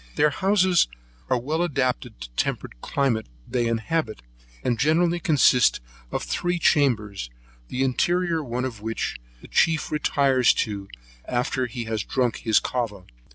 Their houses are well adapted to the temperate climate they inhabit, and generally consist of three chambers, the interior one of which the chief retires to, after he has drank his cava.